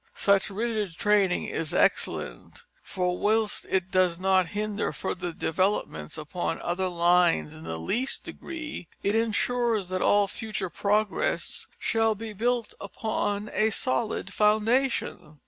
Such rigid training is excellent, for whilst it does not hinder further developments upon other lines in the least degree, it insures that all future progress shall be built upon a solid foundation.